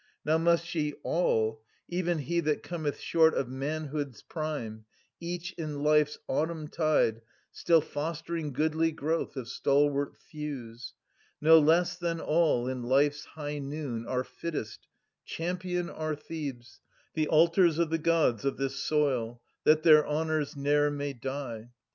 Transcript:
Now must ye— a//, even he that cometh short lo Of manhood's prime, each in life's autumn tide Still fostering goodly growth of stalwart thews, No less than all in life's high noon, our fittest — Champion our Thebes, the altars of the Gods Of this soil, that their honours ne'er may die.